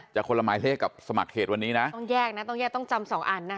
คนละหมายเลขกับสมัครเขตวันนี้นะต้องแยกนะต้องแยกต้องจำสองอันนะคะ